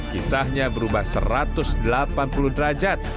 kisahnya berubah satu ratus delapan puluh derajat